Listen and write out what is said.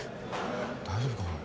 大丈夫かおい。